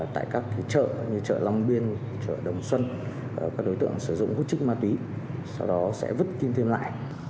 tại các chợ như chợ long biên chợ đồng xuân các đối tượng sử dụng hút trích ma túy sau đó sẽ vứt kim tiêm lại